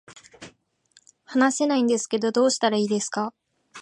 話せないんですけど、どうしたらいいですか